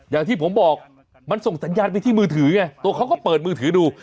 อย่างที่ผมบอกมันส่งสัญญาณไปที่มือถือไงตัวเขาก็เปิดมือถือดู